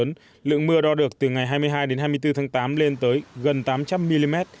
trong đó lượng mưa đo được từ ngày hai mươi hai đến hai mươi bốn tháng tám lên tới gần tám trăm linh mm